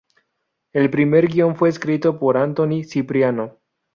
El primer guión fue escrito por Anthony Cipriano.